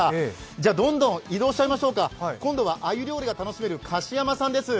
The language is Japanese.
じゃ、どんどん移動しちゃいましょうか、今度はあゆ料理が楽しめるかしやまさんです。